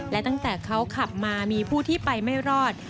และตั้งแต่เขาขับมามีผู้ที่ไปไม่รอด